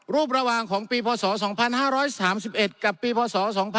รูประวางของปีพศ๒๕๓๑กับปีพศ๒๕๓๙